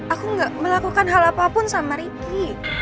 aku gak melakukan hal apapun sama ricky